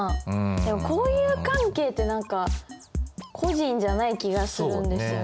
でも交友関係って何か個人じゃない気がするんですよね。